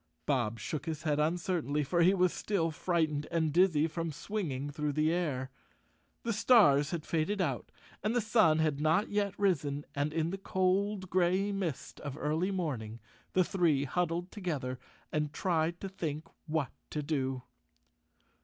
Bob shook his head uncertainly, for he was still frightened and dizzy from swinging through the air. The stars had faded out and the sun had not yet risen and in the cold gray mist of early morning the three huddled together and tried to think what to do.